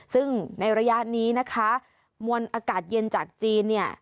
ซึ่งในระยะนี้นะคะมวลอากาศเย็นจากจีนเนี่ย